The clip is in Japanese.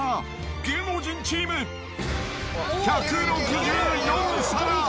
芸能人チーム１６４皿。